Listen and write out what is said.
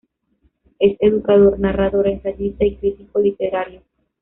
Es educador, narrador, ensayista y crítico literario.